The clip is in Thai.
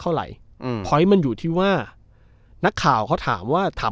เท่าไหร่อืมเพราะให้มันอยู่ที่ว่านักข่าวเขาถามว่าถาม